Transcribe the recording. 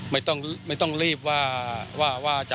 ไม่ต้องไม่ต้องรีบว่าว่าว่าว่าจะ